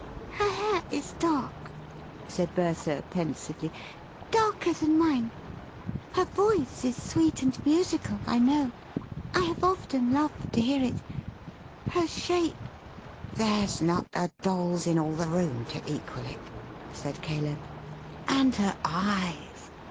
"Her hair is dark," said Bertha, pensively, "darker than mine. Her voice is sweet and musical, I know. I have often loved to hear it. Her shape " "There's not a Doll's in all the room to equal it," said Caleb. "And her eyes!"